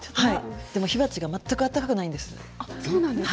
でも、火鉢は全く暖かくないんです。